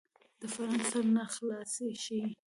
فرهنګ سرناخلاصي ښيي